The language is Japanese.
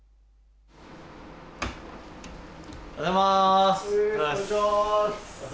おはようございます。